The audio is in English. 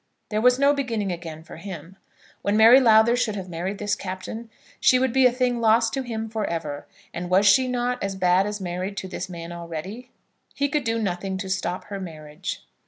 There was no beginning again for him. When Mary Lowther should have married this captain, she would be a thing lost to him for ever; and was she not as bad as married to this man already? He could do nothing to stop her marriage.